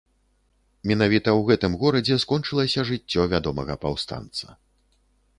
Менавіта ў гэтым горадзе скончылася жыццё вядомага паўстанца.